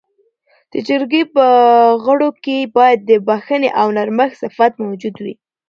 د جرګې په غړو کي باید د بخښنې او نرمښت صفت موجود وي.